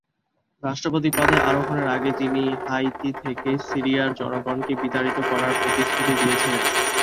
রাষ্ট্রপতি পদে আরোহণের আগে, তিনি হাইতি থেকে সিরিয়ার জনগণকে বিতাড়িত করার প্রতিশ্রুতি দিয়েছিলেন।